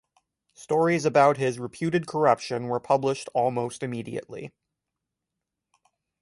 Stories about his reputed corruption were published almost immediately.